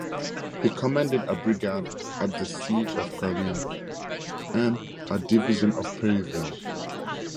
He commanded a brigade at the Siege of Corinth and a division at Perryville.